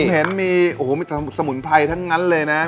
ผมเห็นมีมีสมุนไพรทั้งนั้นเลยนะ